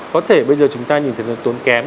có thể bây giờ chúng ta nhìn thấy nó tốn kém